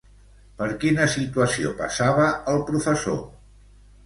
Per quina situació passava el professor?